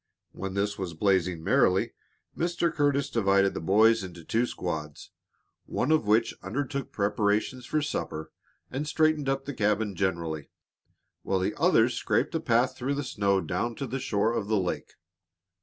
When this was blazing merrily, Mr. Curtis divided the boys into two squads, one of which undertook preparations for supper and straightened up the cabin generally, while the others scraped a path through the snow down to the shore of the lake.